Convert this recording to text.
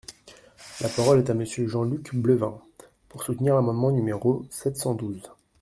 La parole est à Monsieur Jean-Luc Bleunven, pour soutenir l’amendement numéro sept cent douze.